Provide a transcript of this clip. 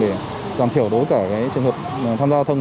để giảm thiểu đối với trường hợp tham gia thông